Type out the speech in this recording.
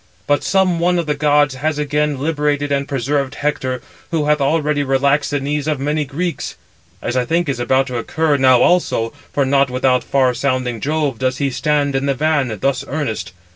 But some one of the gods has again liberated and preserved Hector, who hath already relaxed the knees of many Greeks; as I think is about [to occur] now also, for not without far sounding Jove does he stand in the van, thus earnest.